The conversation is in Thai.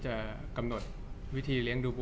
จากความไม่เข้าจันทร์ของผู้ใหญ่ของพ่อกับแม่